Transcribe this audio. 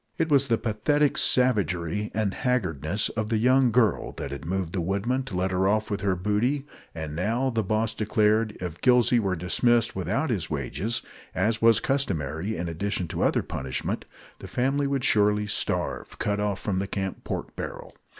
It was the pathetic savagery and haggardness of the young girl that had moved the woodmen to let her off with her booty; and now, the boss declared, if Gillsey were dismissed without his wages as was customary, in addition to other punishment the family would surely starve, cut off from the camp pork barrel.